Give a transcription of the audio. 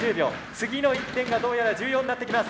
次の１点がどうやら重要になってきます。